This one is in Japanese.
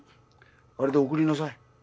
あれで送りなさい。